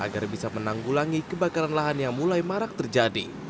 agar bisa menanggulangi kebakaran lahan yang mulai marak terjadi